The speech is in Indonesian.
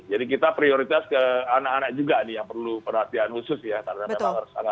jadi kita prioritas ke anak anak juga nih yang perlu perhatian khusus ya